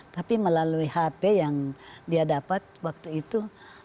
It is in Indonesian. tapi melalui hp yang dia dapat waktu itu